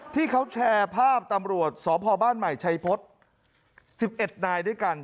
ที่เขาแชร์ภาพตำรวจสพบ้านใหม่ชัยพฤษ๑๑นายด้วยกัน